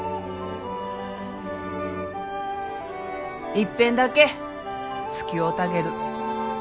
いっぺんだけつきおうたげる。